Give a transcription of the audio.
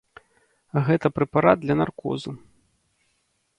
Гэта прэпарат для наркозу.